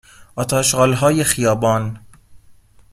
آت و اشغال های خیابان